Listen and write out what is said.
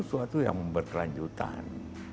suatu yang berkelanjutan